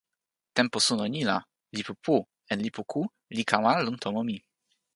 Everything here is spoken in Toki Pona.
tenpo suno ni la lipu pu en lipu ku li kama lon tomo mi.